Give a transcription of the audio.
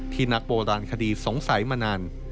นักโบราณคดีสงสัยมานาน